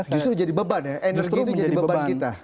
justru jadi beban ya energi itu jadi beban kita